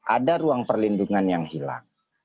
ada ruang perlindungan yang hilang